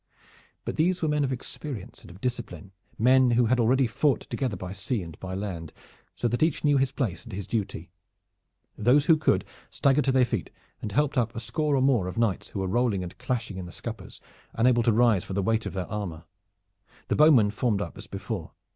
But these were men of experience and of discipline, men who had already fought together by sea and by land, so that each knew his place and his duty. Those who could staggered to their feet and helped up a score or more of knights who were rolling and clashing in the scuppers unable to rise for the weight of their armor. The bowmen formed up as before.